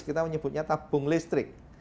kita menyebutnya tabung listrik